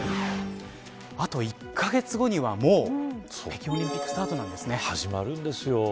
あと１カ月後にはもう、北京オリンピック始まるんですよ。